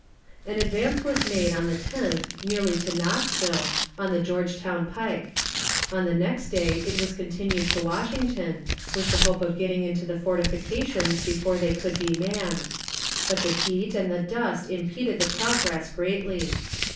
An advance was made on the 10th nearly to Knoxville, on the Georgetown Pike. On the next day it was continued to Washington, with the hope of getting into the fortifications before they could be manned. But the heat and the dust impeded the progress greatly.